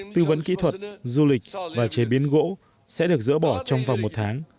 tư vấn kỹ thuật du lịch và chế biến gỗ sẽ được dỡ bỏ trong vòng một tháng